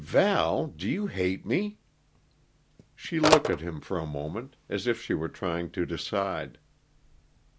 "Val do you hate me?" She looked at him for a moment, as if she were trying to decide.